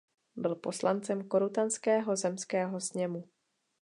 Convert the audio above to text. Byl poslancem Korutanského zemského sněmu.